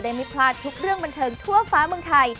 ไม่พลาดทุกเรื่องบันเทิงทั่วฟ้าเมืองไทย